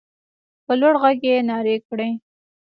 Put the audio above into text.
په لوړ غږ يې نارې کړې.